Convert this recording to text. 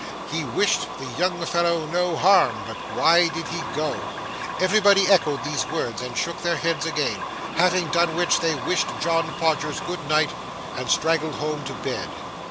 He wished the young fellow no harm, but why did he go? Everybody echoed these words, and shook their heads again, having done which they wished John Podgers good night, and straggled home to bed.